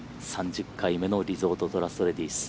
３０回目のリゾートトラストレディス。